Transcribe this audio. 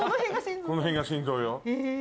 この辺が心臓よ。